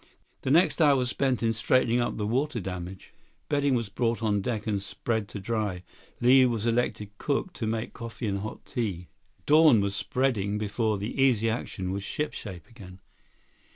The next hour was spent in straightening up the water damage. Bedding was brought on deck and spread to dry. Li was elected cook, to make coffee and hot tea. Dawn was spreading before the Easy Action was shipshape again.